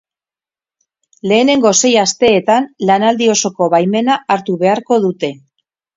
Lehenengo sei asteetan lanaldi osoko baimena hartu beharko dute.